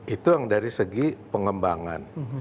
itu yang dari segi pengembangan